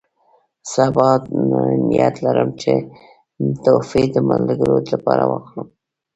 سبا نیت لرم چې تحفې د ملګرو لپاره واخلم.